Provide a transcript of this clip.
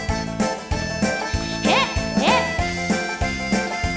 แล้วใส่พี่ใส่ไม่มาเอาใจ